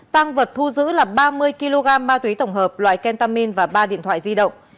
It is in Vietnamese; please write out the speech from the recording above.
tăng vật thu giữ là ba mươi kg ma túy tổng hợp loại kentamin và ba điện thoại di động